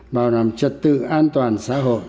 bảo đảm trật tự an toàn xã hội